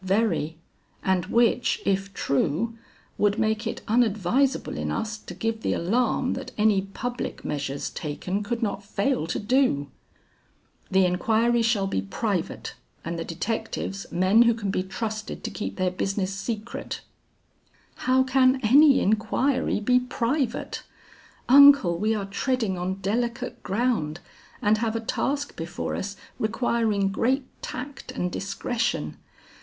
"Very, and which, if true, would make it unadvisable in us to give the alarm that any public measures taken could not fail to do." "The inquiry shall be private, and the detectives, men who can be trusted to keep their business secret." "How can any inquiry be private? Uncle, we are treading on delicate ground, and have a task before us requiring great tact and discretion.